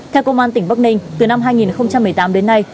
theo công an tỉnh bắc ninh từ năm hai nghìn một mươi tám đến nay